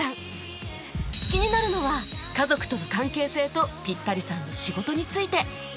気になるのは家族との関係性とピッタリさんの仕事について